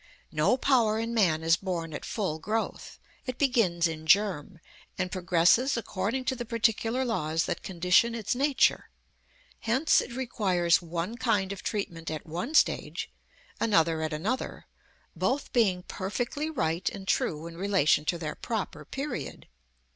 "No power in man is born at full growth; it begins in germ, and progresses according to the particular laws that condition its nature. Hence it requires one kind of treatment at one stage, another at another, both being perfectly right and true in relation to their proper period.